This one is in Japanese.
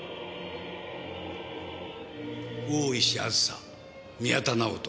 大石あずさ宮田直人